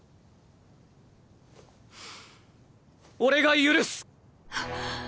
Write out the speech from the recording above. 俺が許す！